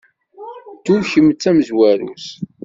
Ddu kemm d tamezwarut.